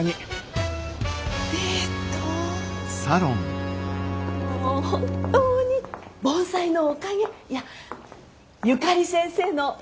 もう本当に盆栽のおかげいやゆかり先生のおかげです。